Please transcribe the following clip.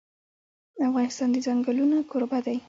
افغانستان د چنګلونه کوربه دی.